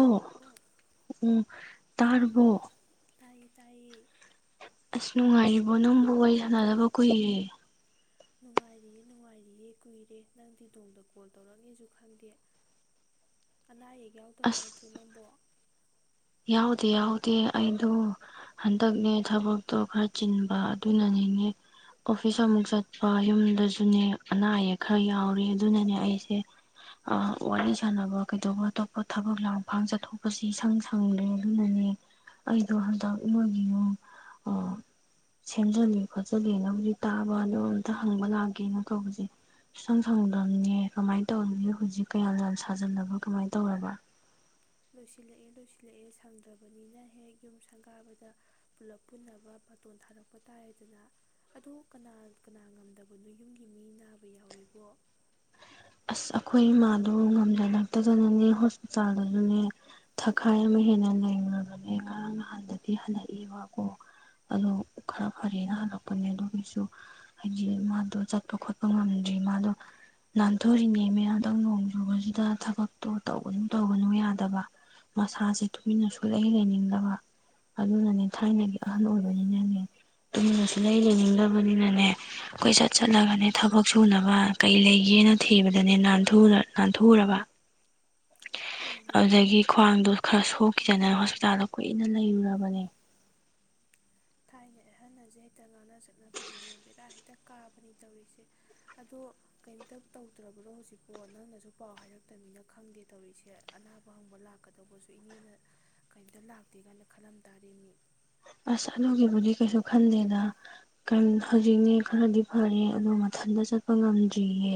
ꯑꯣ ꯎ ꯇꯕꯣ ꯇꯥꯏꯌꯦ ꯇꯥꯏꯌꯦ ꯑꯁ ꯅꯨꯡꯉꯥꯏꯔꯤꯕꯣ ꯅꯪꯕꯨ ꯋꯥꯔꯤ ꯁꯥꯟꯅꯗꯕ ꯀꯨꯏꯔꯦ ꯅꯨꯡꯉꯥꯏꯔꯤꯌꯦ ꯅꯨꯡꯉꯥꯏꯔꯤꯌꯦ ꯀꯨꯏꯔꯦ ꯅꯪꯗꯤ ꯇꯣꯡꯗ ꯀꯣꯜ ꯇꯧꯔꯛꯅꯤꯁꯨ ꯈꯪꯗꯦ ꯑꯅꯥ ꯑꯌꯦꯛ ꯌꯥꯎꯗꯕ ꯑꯁ ꯅꯠꯇ꯭ꯔꯣ ꯅꯪꯕꯣ ꯌꯥꯎꯗꯦ ꯌꯥꯎꯗꯦ ꯑꯩꯗꯣ ꯍꯟꯗꯛꯅꯦ ꯊꯕꯛꯇꯣ ꯈꯔ ꯆꯤꯟꯕ ꯑꯗꯨꯅꯅꯤꯅꯦ ꯑꯣꯐꯤꯁ ꯑꯃꯨꯛ ꯆꯠꯄ ꯌꯨꯝꯗꯁꯨꯅꯦ ꯑꯅꯥ ꯑꯌꯦꯛ ꯈꯔ ꯌꯥꯎꯔꯦ ꯑꯗꯨꯅꯅꯦ ꯑꯩꯁꯦ ꯋꯥꯔꯤ ꯁꯥꯟꯅꯕ ꯀꯩꯗꯧꯕ ꯑꯇꯣꯞꯄ ꯊꯕꯛ ꯂꯥꯡꯐꯥꯡ ꯆꯠꯊꯣꯛꯄꯁꯤ ꯏꯁꯪ ꯁꯪ ꯍꯪꯗ꯭ꯔꯦ ꯑꯗꯨꯅꯅꯦ ꯑꯩꯗꯣ ꯍꯟꯗꯛ ꯅꯣꯏꯒꯤ ꯌꯨꯝ ꯁꯦꯝꯖꯤꯂ ꯈꯣꯠꯆꯜꯂꯤꯅ ꯍꯧꯖꯤꯛ ꯇꯥꯕ ꯑꯗꯣ ꯑꯝꯇ ꯍꯪꯕ ꯂꯥꯛꯒꯦꯅ ꯀꯧꯕꯁꯦ ꯁꯨ ꯁꯪ ꯁꯪꯗꯕꯅꯦ ꯀꯃꯥꯏꯅ ꯇꯧꯅꯤ ꯍꯧꯖꯤꯛ ꯀꯌꯥꯝ ꯌꯥꯝ ꯁꯥꯖꯜꯂꯕ ꯀꯃꯥꯏꯅ ꯇꯧꯔꯕ ꯂꯣꯏꯁꯤꯜꯂꯛꯑꯦ ꯂꯣꯏꯁꯤꯜꯂꯛꯑꯦ ꯁꯪꯗ꯭ꯔꯕꯅꯤꯅ ꯍꯦꯛ ꯌꯨꯝ ꯁꯪꯒꯥꯕꯗ ꯄꯨꯂꯞ ꯄꯨꯟꯅꯕ ꯕꯥꯇꯣꯟ ꯊꯥꯔꯛꯄ ꯇꯥꯔꯦꯗꯅ ꯑꯗꯨꯣ ꯀꯅꯥ ꯀꯅꯥ ꯉꯝꯗꯕꯅꯣ ꯌꯨꯝꯒꯤ ꯃꯤ ꯅꯥꯕ ꯌꯥꯎꯏꯕꯣ ꯑꯁ ꯑꯩꯈꯣꯏ ꯏꯃꯥꯗꯣ ꯉꯝꯖꯂꯛꯇꯗꯅꯅꯦ ꯍꯣꯁꯄꯤꯇꯥꯜꯗꯁꯨꯅꯦ ꯊꯈꯥꯏ ꯑꯃ ꯍꯦꯟꯅ ꯂꯩꯈꯨꯔꯕꯅꯦ ꯉꯔꯥꯡ ꯅꯍꯥꯟꯗꯗꯤ ꯍꯜꯂꯛꯏꯕꯀꯣ ꯑꯗꯣ ꯈꯔ ꯐꯔꯦꯅ ꯍꯜꯂꯛꯄꯅꯦ ꯑꯗꯨꯒꯤꯁꯨ ꯍꯥꯏꯗꯤ ꯃꯥꯗꯣ ꯆꯠꯄ ꯈꯣꯠꯄ ꯉꯝꯗ꯭ꯔꯤ ꯃꯥꯗꯣꯥꯟ ꯊꯣꯔꯤꯉꯩ ꯃꯌꯥꯝꯗꯪ ꯅꯣꯡ ꯆꯨꯕꯁꯤꯗ ꯊꯕꯛꯇꯣ ꯇꯧꯕꯗꯨꯝ ꯇꯧꯕꯅꯨ ꯌꯥꯗꯕ ꯃꯁꯥꯁꯦ ꯇꯨꯃꯤꯟꯅꯁꯨ ꯂꯩ ꯂꯩꯅꯤꯡꯗꯕ ꯑꯗꯨꯅꯅꯦ ꯊꯥꯏꯅꯒꯤ ꯑꯍꯟ ꯑꯣꯏꯕꯅꯤꯅꯅꯦ ꯇꯨꯃꯤꯟꯅꯁꯨ ꯂꯩ ꯂꯩꯅꯤꯡꯗꯕꯅꯤꯅꯅꯦ ꯑꯩꯈꯣꯏ ꯆꯠ ꯆꯠꯂꯒꯅꯦ ꯊꯕꯛ ꯁꯨꯅꯕ ꯀꯩ ꯂꯩꯒꯦꯅ ꯊꯤꯕꯗꯅꯦ ꯅꯥꯟꯊꯨꯔꯕ ꯍꯣꯏꯅꯦ ꯑꯗꯨꯗꯒꯤ ꯈ꯭ꯋꯥꯡꯗꯣ ꯈꯔ ꯁꯣꯛꯈꯤꯗꯅ ꯍꯣꯁꯄꯤꯇꯥꯜꯗ ꯀꯨꯏꯅ ꯂꯩꯔꯨꯔꯕꯅꯦ ꯊꯥꯏꯅꯦ ꯑꯍꯜꯁꯦ ꯍꯦꯛꯇ ꯉꯥꯡꯅ ꯆꯠꯅꯕꯗꯤꯅꯦ ꯕꯦꯔꯥ ꯍꯦꯛꯇ ꯀꯥꯕꯅꯤ ꯇꯧꯔꯤꯁꯦ ꯑꯗꯣ ꯀꯩꯝꯇ ꯇꯧꯗ꯭ꯔꯕ꯭ꯔꯣ ꯍꯧꯖꯤꯛꯄꯣ ꯅꯪꯅꯁꯨ ꯄꯥꯎ ꯍꯥꯏꯔꯛꯇꯅꯤꯅ ꯈꯪꯗꯦ ꯇꯧꯔꯤꯁꯦ ꯑꯅꯥꯕ ꯍꯪꯕ ꯂꯥꯛꯀꯗꯧꯕꯁꯨ ꯏꯅꯦꯅ ꯀꯩꯝꯇ ꯂꯥꯛꯇꯦ ꯀꯥꯏꯅ ꯈꯜꯂꯝ ꯇꯥꯔꯤ ꯃꯤ ꯑꯁ ꯑꯗꯨꯒꯤꯕꯨꯗꯤ ꯀꯩꯁꯨ ꯈꯟꯗꯦꯗ ꯍꯧꯖꯤꯛꯅꯦ ꯈꯔꯗꯤ ꯐꯔꯦ ꯑꯗꯣ ꯃꯊꯟꯇ ꯆꯠꯄ ꯉꯝꯗ꯭ꯔꯤꯌꯦ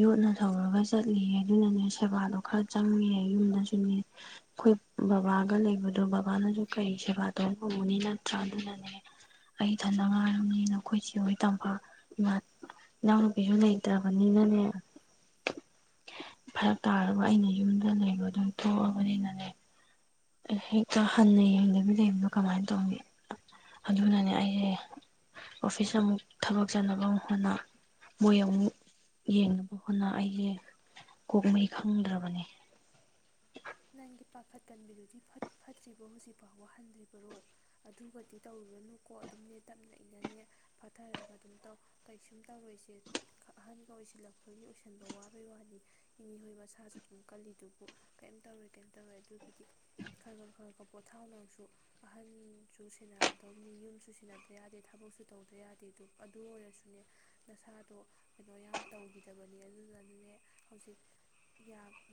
ꯌꯣꯠꯅ ꯊꯧꯔꯒ ꯆꯠꯂꯤꯌꯦ ꯑꯗꯨꯅꯅꯦ ꯁꯦꯕꯥꯗꯣ ꯈꯔ ꯆꯪꯉꯦ ꯌꯨꯝꯗꯁꯨꯅꯦ ꯑꯩꯈꯣꯏ ꯕꯕꯥꯒ ꯂꯩꯕꯗꯣ ꯕꯕꯥꯅꯁꯨ ꯀꯔꯤ ꯁꯦꯕꯥ ꯇꯧꯕꯅꯣ ꯇꯉꯅꯤ ꯅꯠꯇ꯭ꯔꯥ ꯑꯗꯨꯅꯅꯦ ꯑꯩ ꯊꯟꯅ ꯉꯥꯏꯔꯕꯅꯤꯅ ꯑꯩꯈꯣꯏ ꯆꯍꯣꯏ ꯇꯝꯄꯥꯛ ꯏꯃꯥ ꯏꯅꯥꯎꯅꯨꯄꯤꯁꯨ ꯂꯩꯇ꯭ꯔꯕꯅꯤꯅꯅꯦ ꯐꯔꯛ ꯇꯥꯔꯒ ꯑꯩꯅ ꯌꯨꯝꯗ ꯂꯩꯕ ꯑꯗꯨꯝ ꯊꯣꯛꯑꯕꯅꯤꯅꯅꯦ ꯍꯦꯛꯇ ꯍꯟꯅ ꯌꯦꯡꯅꯕꯤ ꯂꯩꯕꯅꯣ ꯀꯃꯥꯏꯅ ꯇꯧꯅꯤ ꯑꯗꯨꯅꯅꯦ ꯑꯩꯁꯦ ꯑꯣꯐꯤꯁ ꯑꯃꯨꯛ ꯊꯕꯛ ꯆꯠꯅꯕ ꯍꯣꯠꯅ ꯃꯣꯏ ꯑꯃꯨꯛ ꯌꯦꯡꯅꯕ ꯍꯣꯠꯅ ꯑꯩꯁꯦ ꯀꯣꯛꯍꯩ ꯈꯪꯗ꯭ꯔꯕꯅꯤ ꯅꯪꯒꯤ ꯄꯥꯈꯠꯀꯟꯕꯤꯗꯨꯗꯤ ꯐꯠꯇ꯭ꯔꯤꯕꯣ ꯍꯧꯖꯤꯛꯐꯥꯎꯕ ꯍꯟꯗ꯭ꯔꯤꯕꯔꯣ ꯑꯗꯨꯒꯗꯤ ꯇꯧꯔꯨꯔꯨꯅꯨꯀꯣ ꯑꯗꯨꯝꯅꯦ ꯇꯞꯅ ꯏꯅꯅꯦ ꯐꯥꯊꯔꯒ ꯑꯗꯨꯝ ꯇꯧ ꯀꯩꯁꯨꯝ ꯇꯧꯔꯏꯁꯦ ꯑꯍꯟꯒ ꯑꯣꯏꯁꯤꯜꯂꯛꯄꯒꯤ ꯑꯣꯏꯁꯟꯕ ꯋꯥꯕꯩ ꯋꯥꯅꯤ ꯏꯅꯤ ꯍꯣꯏ ꯃꯁꯥꯁꯨ ꯑꯗꯨꯝ ꯀꯜꯂꯤꯗꯨꯕꯨ ꯀ ꯇꯧꯔꯦ ꯀꯩꯝ ꯇꯧꯔꯦ ꯑꯗꯨꯒꯤꯗꯤ ꯈꯔ ꯈ ꯈꯔ ꯈ ꯄꯣꯊꯥꯎꯅꯁꯨ ꯑꯍꯟꯁꯨ ꯁꯦꯟꯅꯒꯗꯧꯅꯤ ꯌꯨꯝꯁꯨ ꯁꯦꯟꯅꯗ ꯌꯥꯗꯦ ꯊꯕꯛꯁꯨ ꯇꯧꯗ ꯌꯥꯗꯦ ꯑꯗꯨ ꯑꯣꯏꯔꯁꯨꯅꯦ ꯅꯁꯥꯗꯣ ꯀꯩꯅꯣ ꯌꯥꯝ ꯇꯧꯈꯤꯗꯕꯅꯦ ꯑꯗꯨꯅ ꯑꯗꯨꯅꯦ ꯍꯧꯖꯤꯛ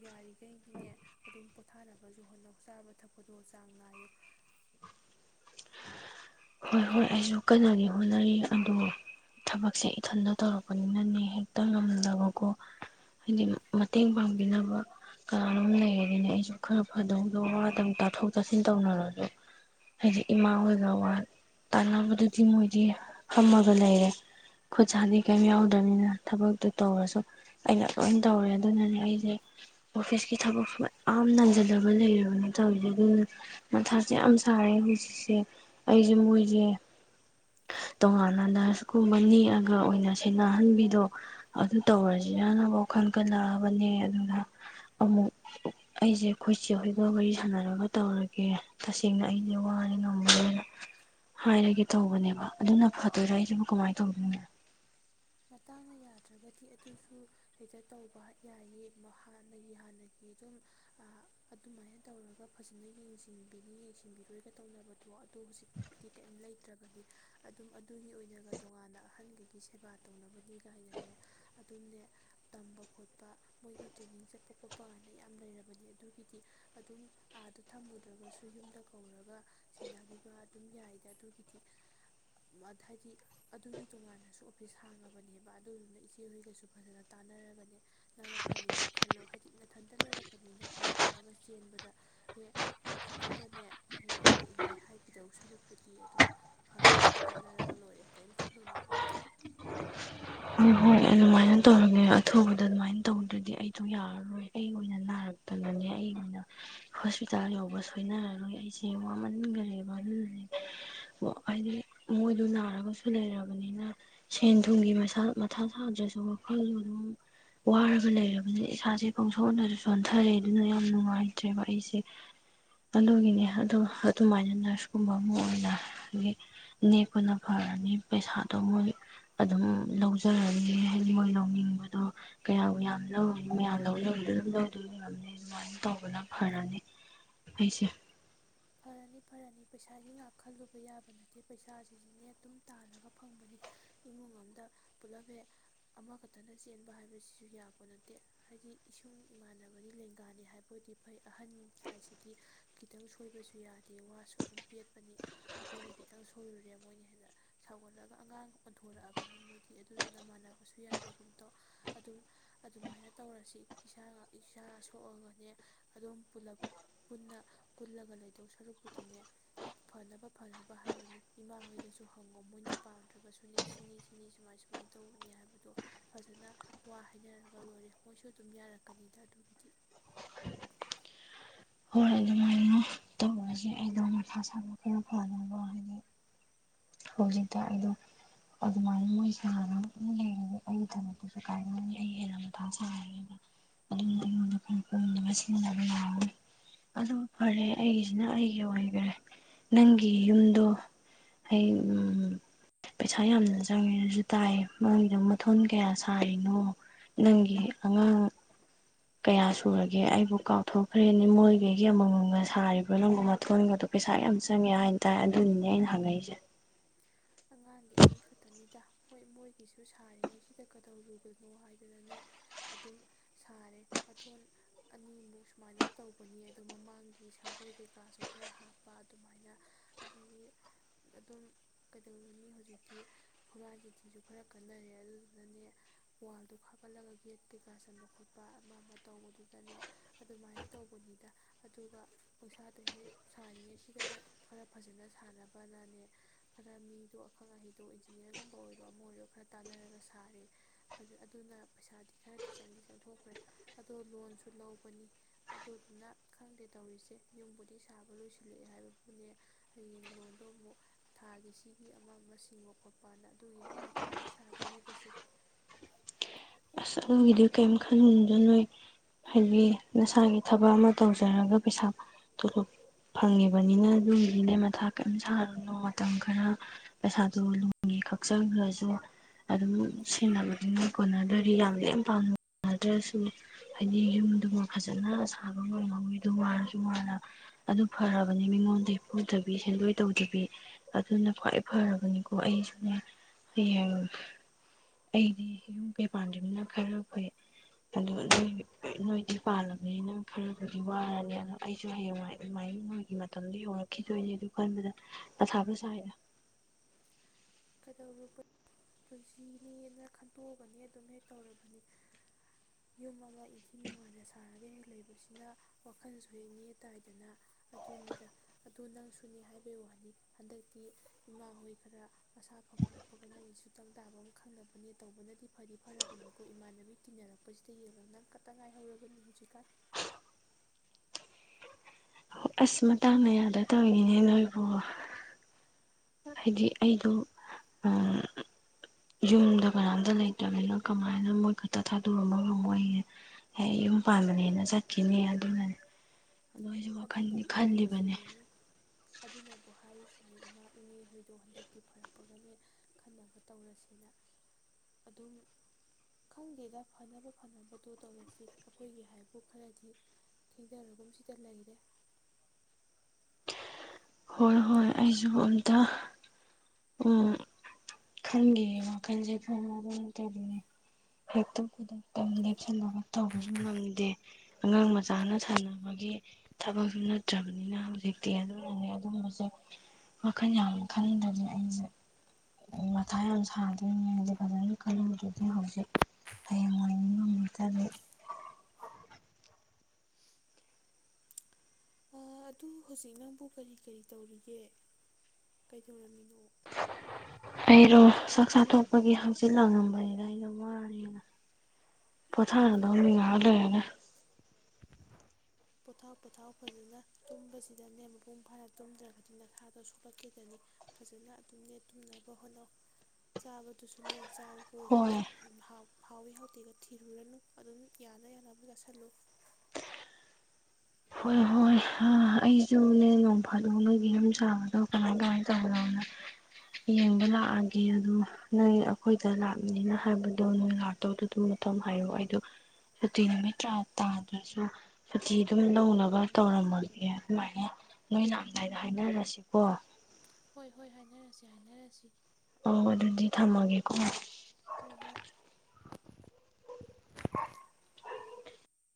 ꯌꯥꯔꯤꯈꯩꯗꯤꯅꯦ ꯑꯗꯨꯝ ꯄꯣꯊꯥꯅꯕꯁꯨ ꯍꯣꯠꯅꯧ ꯆꯥꯕ ꯊꯛꯄꯗꯣ ꯆꯥꯡ ꯅꯥꯏꯌꯨ ꯍꯣꯏ ꯍꯣꯏ ꯑꯩꯁꯨ ꯀꯟꯅꯗꯤ ꯍꯣꯠꯅꯔꯤ ꯑꯗꯨꯣ ꯊꯕꯛꯁꯦ ꯏꯊꯟꯇ ꯇꯧꯔꯛꯄꯅꯤꯅꯅꯦ ꯍꯦꯛꯇ ꯉꯝꯗꯕꯀꯣ ꯍꯥꯏꯗꯤ ꯃꯇꯦꯡ ꯄꯥꯡꯕꯤꯅꯕ ꯀꯅꯥꯅꯣꯝ ꯂꯩꯔꯗꯤꯅꯦ ꯑꯩꯁꯨ ꯈꯔ ꯐꯗꯧꯗꯣ ꯋꯥꯗꯪ ꯇꯥꯊꯣꯛ ꯇꯥꯁꯤꯟ ꯇꯧꯅꯔꯁꯨ ꯍꯥꯏꯗꯤ ꯏꯃꯥ ꯍꯣꯏꯒ ꯋꯥ ꯇꯥꯟꯅꯕꯗꯨꯗꯤ ꯃꯣꯏꯗꯤ ꯐꯝꯃꯒ ꯂꯩꯔꯦ ꯈꯨꯠ ꯁꯥꯗꯤ ꯀꯩꯝ ꯌꯥꯎꯗ꯭ꯔꯕꯅꯤꯅ ꯊꯕꯛꯇꯣ ꯇꯧꯔꯁꯨ ꯑꯩꯅ ꯂꯣꯏ ꯇꯧꯔꯦ ꯑꯗꯨꯅꯅꯦ ꯑꯩꯁꯦ ꯑꯣꯐꯤꯁꯀꯤ ꯊꯕꯛꯁꯨ ꯃꯌꯥꯝ ꯅꯟꯖꯂꯒ ꯂꯩꯔꯕꯅꯤ ꯇꯧꯔꯤꯁꯦ ꯑꯗꯨꯗꯨꯅ ꯃꯁꯥꯁꯦ ꯌꯥꯝ ꯁꯥꯔꯦ ꯍꯧꯖꯤꯛꯁꯦ ꯍꯧꯁꯦ ꯃꯣꯏꯁꯦ ꯇꯣꯉꯥꯟꯅ ꯅꯔꯁꯀꯨꯝꯕ ꯅꯦꯛꯑꯒ ꯑꯣꯏꯅ ꯁꯦꯟꯅꯍꯟꯕꯤꯗꯣ ꯑꯗꯨ ꯇꯧꯔꯁꯤ ꯌꯥꯅꯕ ꯋꯥꯈꯜ ꯈꯜꯂꯛꯑꯕꯅꯦ ꯑꯗꯨ ꯑꯃꯨꯛ ꯑꯩꯁꯦ ꯈꯣꯏꯁꯦ ꯍꯣꯏꯒ ꯋꯥꯔꯤ ꯁꯥꯟꯅꯔꯒ ꯇꯧꯔꯒꯦ ꯇꯁꯦꯡꯅ ꯑꯩꯁꯦ ꯋꯥꯔꯦ ꯉꯝꯃꯔꯣꯏ ꯍꯥꯏꯔꯒꯦ ꯇꯧꯕꯅꯦꯕ ꯑꯗꯨꯅ ꯐꯗꯣꯏꯔꯥ ꯑꯩꯁꯤꯕꯨ ꯀꯃꯥꯏꯅ ꯇꯧꯗꯣꯏꯅꯣ ꯃꯇꯥꯡꯅ ꯌꯥꯗ꯭ꯔꯒꯗꯤ ꯑꯗꯨꯁꯨ ꯍꯦꯛꯇ ꯇꯧꯕ ꯌꯥꯏꯌꯦ ꯍꯥꯟꯅꯒꯤ ꯍꯥꯟꯅꯒꯤ ꯑꯗꯨꯝ ꯑꯗꯨꯃꯥꯏꯅ ꯇꯧꯔꯒ ꯐꯖꯅ ꯌꯦꯡꯁꯤꯟꯕꯤꯅꯤ ꯌꯦꯡꯁꯤꯟꯕꯤꯔꯣꯏꯒ ꯇꯧꯅꯕꯗꯣ ꯑꯗꯨ ꯍꯧꯖꯤꯛꯇꯤ ꯀꯔꯤꯝ ꯂꯩꯇ꯭ꯔꯕꯗꯤ ꯑꯗꯨꯝ ꯑꯗꯨꯒꯤ ꯑꯣꯏꯅꯒ ꯇꯣꯉꯥꯟꯅ ꯑꯍꯟꯒꯒꯤ ꯁꯦꯕꯥ ꯇꯧꯅꯕꯅꯤ ꯀꯥꯏꯅꯅꯦ ꯑꯗꯨꯝꯅꯦ ꯇꯝꯕ ꯈꯣꯠꯄ ꯃꯣꯏꯒꯤ ꯇ꯭ꯔꯦꯅꯤꯡ ꯆꯠꯄ ꯈꯣꯠꯄ ꯀꯥꯏꯗ ꯌꯥꯝ ꯂꯩꯔꯕꯅꯦ ꯑꯗꯨꯒꯤꯗꯤ ꯑꯗꯨꯝ ꯑꯥꯗ ꯊꯝꯃꯨꯗ꯭ꯔꯒꯁꯨ ꯌꯨꯝꯗ ꯀꯧꯔꯒ ꯁꯦꯟꯅꯕꯤꯕ ꯑꯗꯨꯝ ꯌꯥꯏꯗ ꯑꯗꯨꯒꯤꯗꯤ ꯍꯥꯏꯗꯤ ꯑꯗꯨꯒꯤ ꯇꯣꯉꯥꯟꯅꯁꯨ ꯁꯥꯡꯉꯥꯕꯅꯦꯕꯥ ꯑꯗꯨꯗꯨꯅ ꯏꯆꯦꯍꯣꯏꯒꯁꯨ ꯐꯖꯅ ꯇꯥꯟꯅꯔꯒꯅꯦ ꯅꯪꯅ ꯐꯅꯤꯗꯣ ꯈꯜꯂꯣ ꯍꯥꯏꯗꯤ ꯅꯥꯊꯟꯇ ꯂꯩꯔꯛꯄꯅꯤꯅ ꯑꯃꯒ- ꯑꯃꯒ ꯆꯦꯟꯕꯗ ꯍꯦꯛ ꯈꯤꯇꯗꯅꯦ ꯍꯌꯦꯡ ꯋꯥꯏ ꯏꯍꯦ ꯍꯥꯏꯈꯤꯗꯧ ꯁꯔꯨꯛꯄꯨꯗꯤ ꯑꯗꯨꯝ ꯐꯅꯕꯗꯣ ꯇꯥꯟꯅꯔꯒ ꯂꯣꯏꯔꯦ ꯀꯔꯤꯝ ꯈꯜꯂꯨꯅꯣ ꯑꯗꯨꯒꯤꯗꯤ꯫ ꯍꯣꯏ - ꯍꯣꯏ ꯑꯗꯨꯃꯥꯏꯅ ꯇꯧꯔꯒꯅꯦ ꯑꯊꯨꯕꯗ ꯑꯗꯨꯃꯥꯏꯅ ꯇꯧꯗ꯭ꯔꯗꯤ ꯑꯩꯗꯣ ꯌꯥꯔꯔꯣꯏ ꯑꯩ ꯑꯣꯏꯅ ꯅꯥꯔꯛꯇꯅꯅꯦ ꯑꯩ ꯑꯣꯏꯅ ꯍꯣꯁꯄꯤꯇꯥꯜ ꯌꯧꯕ ꯁꯣꯏꯅꯔꯥꯔꯣꯏ ꯑꯩꯁꯦ ꯋꯥꯃꯟꯒꯔꯦꯕ ꯑꯗꯨꯅꯅꯦ ꯀꯣ ꯍꯥꯏꯗꯤ ꯃꯣꯏꯗꯣ ꯅꯥꯔꯒꯁꯨ ꯂꯩꯔꯕꯅꯤꯅ ꯁꯦꯟ ꯊꯨꯝꯒꯤ ꯃꯁꯥ ꯃꯊꯥ ꯁꯥꯗ꯭ꯔꯁꯨ ꯋꯥꯈꯜꯗꯣ ꯑꯗꯨꯝ ꯋꯥꯔꯒ ꯂꯩꯔꯕꯅꯤꯅ ꯏꯁꯥꯁꯦ ꯄꯪꯁꯣꯟꯗꯁꯨ ꯁꯣꯟꯊꯔꯦ ꯑꯗꯨꯅ ꯌꯥꯝ ꯅꯨꯡꯉꯥꯏꯇ꯭ꯔꯦꯕ ꯑꯩꯁꯦ ꯑꯗꯨꯒꯤꯅꯦ ꯑꯗꯣ ꯑꯗꯨꯃꯥꯏꯅ ꯅꯔꯁꯀꯨꯝꯕ ꯑꯃ ꯑꯣꯏꯅ ꯅꯦꯛꯄꯅ ꯐꯔꯅꯤ ꯄꯩꯁꯥꯗꯣ ꯃꯣꯏ ꯑꯗꯨꯝ ꯂꯧꯖ ꯖꯔꯅꯤ ꯍꯥꯏꯗꯤ ꯃꯣꯏ ꯂꯧꯅꯤꯡꯕꯗꯣ ꯀꯌꯥ ꯌꯥꯝ ꯂꯧꯔꯨꯅꯤ ꯃꯌꯥꯝ ꯂꯧꯖꯕꯗ ꯑꯗꯨꯝ ꯂꯧꯗꯣꯏ ꯑꫭꯏꯔꯝꯅꯤ ꯑꯗꯨꯃꯥꯏꯅ ꯇꯧꯕꯅ ꯐꯔꯅꯤ ꯑꯩꯁꯦ꯫ ꯐꯔꯅꯤ - ꯐꯔꯅꯤ ꯄꯩꯁꯥꯒꯤ ꯉꯥꯛ ꯈꯜꯂꯨꯕ ꯌꯥꯕ ꯅꯠꯇꯦ ꯄꯩꯁꯥꯁꯤꯗꯤꯅꯦ ꯑꯗꯨꯝ ꯇꯥꯜꯂꯒ ꯐꯪꯕꯅꯤ ꯏꯃꯨꯡ ꯑꯃꯗ ꯄꯨꯂꯞ ꯍꯦꯛ ꯑꯃꯈꯛꯇꯅ ꯆꯦꯟꯕ ꯍꯥꯏꯕꯁꯤꯁꯨ ꯌꯥꯕ ꯅꯠꯇꯦ ꯍꯥꯏꯗꯤ ꯏꯁꯨꯡ ꯏꯃꯥꯟꯅꯕꯗꯤ ꯂꯦꯡꯒꯥꯅꯤ ꯍꯥꯏꯕꯗꯤ ꯐꯩ ꯑꯍꯟ ꯍꯥꯏꯁꯤꯗꯤ ꯈꯤꯇꯪ ꯁꯣꯏꯕꯁꯨ ꯌꯥꯗꯦ ꯋꯥꯁꯨ ꯑꯗꯨꯝ ꯄꯦꯠꯄꯅꯤ ꯑꯩꯈꯣꯏꯅ ꯈꯤꯇꯪ ꯁꯣꯏꯔꯨꯔꯦ ꯃꯣꯏꯅ ꯍꯦꯟꯅ ꯁꯥꯎꯒꯠꯂꯒ ꯑꯉꯥꯡ ꯑꯣꯟꯊꯣꯔꯛꯑꯕꯅꯤ ꯃꯣꯏꯗꯤ ꯑꯗꯨ ꯅꯃꯥꯟꯅꯕꯁꯨ ꯌꯥꯗꯒꯨꯝ ꯇꯧ ꯑꯗꯨꯝ ꯑꯗꯨꯃꯥꯏꯅ ꯇꯧꯔꯁꯤ ꯏꯁꯥ ꯏꯁꯥ ꯁꯣꯛꯑꯒꯅꯦ ꯑꯗꯨꯝꯞ ꯄꯨꯟꯅ ꯀꯨꯜꯂꯒ ꯂꯩꯗꯧ ꯁꯔꯨꯛꯄꯨꯗꯤꯅꯦ ꯐꯅꯕ ꯐꯅꯕ ꯍꯥꯏꯗꯨꯅꯦ ꯏꯃꯥꯍꯣꯏꯗꯁꯨ ꯍꯪꯉꯣ ꯃꯣꯏꯅ ꯄꯥꯝꯗ꯭ꯔꯒꯁꯨꯅꯦ ꯁꯤꯅꯤ ꯁꯤꯅꯤ ꯁꯨꯃꯥꯏ ꯁꯨꯃꯥꯏꯅ ꯇꯧꯕꯅꯤ ꯍꯥꯏꯕꯗꯣ ꯐꯖꯅ ꯋꯥ ꯍꯥꯏꯅꯔꯒ ꯂꯣꯏꯔꯦ ꯃꯣꯏꯁꯨ ꯑꯗꯨꯝ ꯌꯥꯔꯛꯀꯅꯤꯗ ꯑꯗꯨꯒꯤꯗꯤ꯫ ꯍꯣꯏ ꯑꯗꯨꯃꯥꯏꯅ ꯇꯧꯔꯁꯦ ꯑꯩꯗꯣ ꯃꯊꯥ ꯁꯥꯕ ꯈꯔ ꯐꯅꯕ ꯍꯥꯏꯗꯤ ꯍꯧꯖꯤꯛꯇ ꯑꯩꯗꯣ ꯑꯗꯨꯃꯥꯏꯅ ꯃꯣꯏ ꯁꯦꯟꯔ ꯂꯩꯔꯒ ꯑꯩꯒꯤꯗꯕꯛꯇꯁꯨ ꯀꯥꯏꯔꯛꯑꯅꯤ ꯑꯩ ꯍꯦꯟꯅ ꯃꯊꯥ ꯁꯥꯔꯅꯤ ꯑꯗꯨꯅ ꯑꯩꯉꯣꯟꯗ ꯈꯔ ꯀꯣꯝꯅꯕ ꯁꯤꯟꯗꯕ ꯌꯥꯔꯔꯣꯏꯕꯑꯗꯨ ꯐꯔꯦ ꯑꯩꯒꯤꯁꯤꯅ ꯑꯩꯒꯤ ꯑꯣꯏꯈꯔꯦ ꯅꯪꯒꯤ ꯌꯨꯝꯗꯣ ꯑꯩ ꯄꯩꯁꯥ ꯌꯥꯝꯅ ꯆꯪꯉꯦꯁꯨ ꯇꯥꯏ ꯃꯔꯝꯗ ꯃꯊꯣꯟ ꯀꯌꯥ ꯁꯥꯔꯤꯅꯣ ꯅꯪꯒꯤ ꯑꯉꯥꯡ ꯀꯌꯥ ꯁꯨꯔꯒꯦ ꯑꯩꯕꯨ ꯀꯥꯎꯊꯣꯛꯈ꯭ꯔꯦꯅꯦ ꯃꯣꯏꯈꯩꯒꯤ ꯑꯃꯃꯝꯒ ꯁꯥꯔꯤꯕꯣ ꯅꯪꯒ ꯃꯊꯣꯟꯒꯗꯣ ꯄꯩꯁꯥ ꯌꯥꯝ ꯆꯪꯉꯦ ꯍꯥꯏꯅ ꯇꯥꯏ ꯑꯗꯨꯅꯤꯅꯦ ꯑꯩꯅ ꯍꯪꯉꯛꯏꯁꯦ꯫ ꯑꯉꯥꯡꯗꯤ ꯑꯅꯤꯈꯛꯇꯅꯤꯗ꯫ ꯍꯣꯏ ꯃꯣꯏꯒꯤꯁꯨ ꯁꯥꯔꯤꯉꯩ ꯁꯤꯗ ꯀꯗꯧꯔꯨꯒꯅꯣ ꯍꯥꯏꯗꯨꯅꯅꯦ ꯑꯗꯨꯝ ꯁꯥꯔꯦ ꯃꯊꯣꯟ ꯑꯅꯤꯃꯨꯛ ꯁꯨꯃꯥꯏꯅ ꯇꯧꯕꯅꯦ ꯑꯗꯨꯗꯣ ꯃꯃꯥꯡꯒꯤ ꯁꯪꯒꯣꯏ ꯀꯩꯀꯥꯁꯨ ꯈꯔ ꯍꯥꯞꯄ ꯑꯗꯨꯃꯥꯏꯅ ꯑꯗꯒꯤ ꯑꯗꯨꯝ ꯀꯩꯗꯧꯔꯨꯅꯤ ꯍꯧꯖꯤꯛꯇꯤ ꯍꯨꯔꯥꯟ ꯆꯤꯊꯤꯁꯨ ꯈꯔ ꯀꯟꯅꯔꯦ ꯑꯗꯨꯗꯨꯅꯅꯦ ꯋꯥꯜꯗꯣ ꯈꯥꯀꯠꯂꯒ ꯒꯦꯠ ꯀꯩꯀꯥ ꯆꯟꯕ ꯈꯣꯠꯄ ꯑꯃ ꯑꯃ ꯇꯧꯕꯗꯨꯗꯅꯦ ꯑꯗꯨꯃꯥꯏꯅ ꯇꯧꯕꯅꯤꯗ ꯑꯗꯨꯒ ꯄꯩꯁꯥꯗ ꯍꯦꯛ ꯁꯥꯔꯤꯉꯩꯁꯤꯗ ꯈꯔ ꯐꯖꯅ ꯁꯥꯥꯟꯅꯕꯅꯅꯦ ꯈꯔ ꯃꯤꯗꯣ ꯑꯈꯪ ꯑꯍꯩꯗꯣ ꯏꯟꯖꯤꯅꯤꯌꯥꯔꯒꯨꯝꯕ ꯑꯣꯏꯔꯣ ꯑꯃ ꯑꯣꯏꯔꯣ ꯈꯔ ꯇꯥꯟꯅꯔꯒ ꯁꯥꯔꯦ ꯐꯖ ꯑꯗꯨꯅ ꯄꯩꯁꯥꯗꯤ ꯈꯔꯗꯤ ꯆꯪꯗꯤ ꯆꯪꯊꯣꯛꯈ꯭ꯔꯦ ꯑꯗꯣ ꯂꯣꯟꯁꯨ ꯂꯧꯕꯅꯤ ꯑꯗꯨꯗꯨꯅ ꯈꯪꯗꯦ ꯇꯧꯔꯤꯁꯦ ꯌꯨꯝꯕꯨꯗꯤ ꯁꯥꯕ ꯂꯣꯏꯁꯤꯜꯂꯛꯑꯦ ꯍꯥꯏꯕꯕꯨꯅꯦ ꯍꯌꯦꯡ ꯂꯣꯟꯗꯣ ꯑꯃꯨꯛ ꯊꯥꯒꯤ ꯁꯤꯒꯤ ꯑꯃ ꯑꯃ ꯁꯤꯡꯕ ꯈꯣꯠꯄꯅ ꯑꯗꯨꯒꯤ ꯑꯃꯨꯛ ꯃꯊꯥꯅꯤ ꯁꯥꯗꯣꯔꯤꯕꯁꯦ꯫ ꯑꯁ ꯑꯗꯨꯒꯤꯗꯨ ꯀꯔꯤꯝ ꯈꯟꯗꯣꯏꯅꯣꯏ ꯍꯥꯏꯗꯤ ꯅꯁꯥꯒꯤ ꯊꯕꯛ ꯑꯃ ꯇꯧꯖꯔꯒ ꯄꯩꯁꯥ ꯇꯣꯂꯣꯞ ꯐꯪꯉꯤꯕꯅꯤꯅ ꯑꯗꯨꯒꯤꯅꯦ ꯃꯊꯥ ꯀꯔꯤꯝ ꯁꯥꯔꯨꯅꯣ ꯃꯇꯝ ꯈꯔ ꯄꯩꯁꯥꯗꯣ ꯂꯣꯟꯒꯤ ꯀꯛ ꯆꯒꯔ꯭ꯖꯨ ꯑꯗꯨꯝ ꯁꯦꯟꯅꯕꯗꯤ ꯀꯣꯟꯅꯗ ꯌꯥꯝ ꯂꯦꯝ ꯄꯥꯝꯅꯗ꯭ꯔꯁꯨ ꯍꯥꯏꯗꯤ ꯌꯨꯝꯗꯨꯃ ꯐꯖꯟꯅ ꯁꯥꯕ ꯉꯝꯍꯧꯋꯤ ꯑꯗꯨ ꯋꯥꯔꯁꯨ ꯋꯥꯅ ꯑꯗꯨ ꯐꯔꯕꯅꯤ ꯃꯤꯉꯣꯟꯗꯒꯤ ꯄꯨꯗꯕꯤ ꯁꯦꯟꯗꯣꯏ ꯇꯧꯗꯕꯤ ꯑꯗꯨꯅ ꯈ꯭ꯋꯥꯏ ꯐꯔꯕꯅꯤꯀꯣ ꯑꯩꯁꯨꯅꯦ ꯍꯌꯦꯡ ꯑꯩꯗꯤ ꯌꯨꯝ ꯄꯥꯟꯗꯔ꯭ꯤꯅꯤꯅ ꯈꯔ ꯐꯩ ꯑꯗꯨꯒ ꯅꯣꯏ ꯅꯣꯏꯗꯤ ꯄꯥꯜꯂꯕꯅꯤꯅ ꯈꯔꯕꯨꯗꯤ ꯋꯥꯔꯅꯤ ꯑꯩꯖꯨ ꯑ ꯍꯌꯦꯡꯋꯥꯏ ꯑꯗꯨꯃꯥꯏꯅ ꯅꯣꯏꯒꯤ ꯃꯇꯝꯗ ꯌꯧꯔꯛꯈꯤꯗꯣꯏꯅꯦ ꯑꯗꯨ ꯈꯟꯕꯗ ꯃꯊꯕꯨ ꯁꯥꯏꯗ ꯫ ꯀꯩꯗꯔꯨ ꯄꯨꯟꯁꯤꯅꯦꯅ ꯈꯟꯇꯣꯛꯑꯒꯅꯦ ꯑꯗꯨꯝ ꯍꯦꯛ ꯇꯧꯔꯕꯅꯤ ꯌꯨꯝ ꯑꯃ ꯏꯟꯊꯤ ꯅꯨꯡꯉꯥꯏꯅ ꯁꯥꯔꯒ ꯍꯦꯛ ꯂꯩꯕꯁꯤꯅ ꯋꯥꯈꯜꯁꯨ ꯍꯦꯛꯅꯦ ꯇꯥꯏꯗꯅ ꯑꯗꯨꯅꯤꯗ ꯑꯗꯨ ꯅꯪꯁꯨꯅꯤ ꯍꯥꯏꯕꯩ ꯋꯥꯅꯤ ꯍꯟꯗꯛꯇꯤ ꯏꯃꯥ ꯍꯣꯏ ꯈꯔ ꯃꯁꯥ ꯐꯒꯠꯂꯛꯄꯒ ꯅꯪꯒꯤ ꯁꯨꯇꯪ ꯇꯥꯕ ꯑꯃ ꯈꯪꯅꯕꯅꯦ ꯇꯧꯕꯅꯗꯤ ꯐꯗꯤ ꯐꯔꯕꯅꯤꯀꯣ ꯏꯃꯥꯟꯅꯕꯤ ꯇꯤꯟꯅꯔꯛꯄꯁꯤꯗ ꯌꯦꯡꯉꯣ ꯅꯪ ꯈꯛꯇ ꯉꯥꯏꯍꯧꯔꯕꯅꯤ ꯍꯧꯖꯤꯛꯀꯥꯟ꯫ ꯑꯣ ꯑꯁ ꯃꯇꯥꯡꯅ ꯌꯥꯗ ꯇꯧꯔꯤꯅꯤꯅꯦ ꯅꯣꯏꯕꯨ꯫ ꯍꯥꯏꯗꯤ ꯑꯩꯗꯣ ꯑ ꯌꯨꯝꯗ ꯀꯅꯥꯝꯇ ꯂꯩꯇꯝꯅꯤꯅꯥ ꯀꯃꯥꯏꯅ ꯃꯣꯏ ꯈꯛꯇ ꯊꯥꯗꯣꯛ ꯑꯃꯒ ꯃꯣꯏꯅꯦ ꯍ ꯌꯨꯝ ꯄꯥꯟꯕꯅꯦꯅ ꯆꯠꯈꯤꯅꯦ ꯑꯗꯨꯅꯅꯦ꯫ ꯑꯗꯣ ꯑꯩꯁꯨ ꯋꯥꯈꯜꯗꯤ ꯑꯗꯨꯅꯕꯨ ꯈꯜꯂꯤꯕꯅꯦ ꯍꯥꯏꯔꯤꯁꯤꯅꯦ ꯑꯗꯨꯅꯕꯨ ꯍꯥꯏꯔꯤꯁꯤ ꯏꯃꯥ ꯏꯅꯦ ꯍꯣꯏꯗꯣ ꯍꯟꯗꯛꯇꯤ ꯐꯔꯛꯄꯒꯅꯦ ꯈꯟꯅꯕ ꯇꯧꯔꯁꯦꯅ ꯑꯗꯨꯝ ꯈꯪꯗꯦꯗ ꯐꯅꯕ ꯐꯅꯕꯗꯣ ꯇꯧꯔꯁꯤ ꯑꯩꯈꯣꯏꯒꯤ ꯍꯥꯏꯕꯨ ꯈꯔꯗꯤ ꯊꯦꯡꯗꯔꯒꯨꯝ ꯁꯤꯗ ꯂꯩꯔꯦ꯫ [inaudible] ꯍꯣꯏ ꯍꯣꯏ ꯑꯩꯖꯨ ꯑꯝꯇ ꯎ ꯈꯟꯒꯤꯒꯦ ꯋꯥꯈꯜꯁꯦ ꯐꯅ ꯑꯗꯨꯝ ꯇꯔꯤꯅꯦ ꯍꯦꯛꯇ ꯈꯨꯗꯛꯇ ꯂꯦꯞꯁꯜꯂꯒ ꯇꯧꯕꯁꯨ ꯉꯝꯗꯦ ꯑꯉꯥꯡ ꯃꯆꯥꯅ ꯁꯥꯟꯅꯕꯒꯤ ꯊꯕꯛꯁꯨ ꯅꯠꯇ꯭ꯔꯕꯅꯤꯅ ꯍꯧꯖꯤꯛꯇꯤ ꯑꯗꯨꯅꯅꯦ꯫ ꯑꯗꯨꯕꯁꯦ ꯋꯥꯈꯜ ꯌꯥꯝ ꯈꯟꯗ꯭ꯔꯗꯤ ꯑꯁꯦ ꯃꯊꯥ ꯌꯥꯝ ꯁꯥꯗꯣꯏꯅꯤ ꯍꯥꯏꯁꯦ ꯐꯖꯅ ꯈꯟꯍꯧꯗꯔ꯭ꯗꯤ ꯍꯧꯖꯤꯛ ꯍꯌꯦꯡ ꯋꯥꯏ ꯅꯤꯉꯝꯃꯛꯇꯕ ꯑꯗꯨ ꯍꯧꯖꯤꯛ ꯅꯪꯕꯨ ꯀꯔꯤ ꯀꯔꯤ ꯇꯧꯔꯤꯒꯦ ꯀꯩꯗꯧꯔꯝꯃꯤꯅꯣ? ꯑꯩꯔꯣ ꯆꯥꯛ ꯆꯥꯊꯣꯛꯄꯒꯤ ꯍꯛꯆꯤꯜ ꯂꯦ ꯑꯩꯅ ꯋꯥꯔꯦꯅ ꯄꯣꯊꯥꯗꯧꯅꯤ ꯉꯛ ꯂꯩꯔꯒ꯫ ꯄꯣꯊꯥꯎ ꯄꯣꯊꯥꯎ ꯐꯖꯅ ꯇꯨꯝꯕꯁꯤꯗꯅꯦ ꯃꯄꯨꯡ ꯐꯥꯅ ꯇꯨꯝꯗ꯭ꯔꯒꯗꯤ ꯅꯁꯥꯗꯣ ꯁꯣꯛꯂꯛꯀꯗꯅꯤ ꯐꯖꯅ ꯑꯗꯨꯝꯅꯦ ꯇꯨꯝꯅꯕ ꯍꯣꯠꯅꯧ ꯆꯥꯕꯗꯨꯁꯨꯅꯦ ꯍꯣꯏ [unintelligible] ꯍꯥꯎꯋꯤ ꯍꯥꯎꯇꯦꯒ ꯊꯤꯔꯨꯔꯅꯨ ꯑꯗꯨꯝ ꯌꯥꯅ ꯌꯥꯅꯕ ꯆꯥꯁꯤꯜꯂꯨ꯫ ꯍꯣꯏ ꯍꯣꯏ ꯑꯩꯖꯨꯅꯦ ꯅꯣꯡꯐꯥꯗꯣꯛ ꯅꯣꯏ ꯌꯨꯝ ꯁꯥꯕꯗꯣ ꯀꯃꯥꯏ ꯀꯃꯥꯏꯅ ꯇꯧꯕꯅꯣ ꯌꯦꯡꯕ ꯂꯥꯛꯑꯒꯦ ꯑꯗꯣ ꯅꯣꯏ ꯑꯩꯈꯣꯏꯗ ꯂꯥꯛꯅꯤꯅ ꯍꯥꯏꯕꯗꯣ ꯅꯣꯏ ꯂꯥꯛꯇꯧꯗꯗꯨ ꯃꯇꯝ ꯍꯥꯏꯔꯣꯑꯣ ꯑꯩꯗꯣ ꯁꯨꯇꯤ ꯅꯨꯃꯤꯠ ꯇꯥꯗ꯭ꯔꯁꯨ ꯁꯨꯇꯤꯗ ꯑꯗꯨꯝ ꯂꯧꯅꯕ ꯇꯧꯔꯝꯃꯒꯦ ꯑꯗꯨꯃꯥꯏꯅ ꯅꯣꯏꯅ [unintelligible] ꯍꯥꯏꯅꯔꯁꯤꯀꯣ꯫ ꯍꯣꯏ ꯍꯣꯏ ꯍꯥꯏꯅꯔꯁꯤ ꯍꯥꯏꯅꯔꯁꯤ꯫ ꯑꯣ ꯑꯗꯨꯗꯤ ꯊꯝꯃꯒꯦꯀꯣ꯫ [inaudible] [inaudible] [unintelligible]